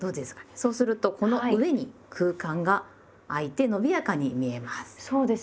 そうするとこの上に空間があいてのびやかに見えます。